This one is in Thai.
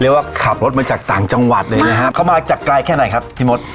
ว่าขับรถมาจากต่างจังหวัดเลยนะฮะเขามาจากไกลแค่ไหนครับพี่มด